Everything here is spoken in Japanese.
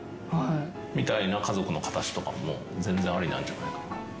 みたいな家族の形とかも全然ありなんじゃないかなって。